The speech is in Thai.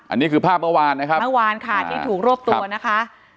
อันนี้คือภาพเมื่อวานนะครับเมื่อวานค่ะที่ถูกรวบตัวนะคะ